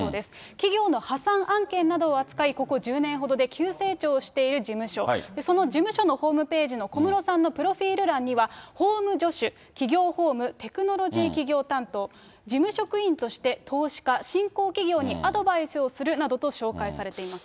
企業の破産案件などを扱い、ここ１０年ほどで急成長をしている事務所、その事務所のホームページの小室さんのプロフィール欄には、法務助手、企業法務、テクノロジー企業担当、事務職員として投資家、新興企業にアドバイスをするなどと紹介されています。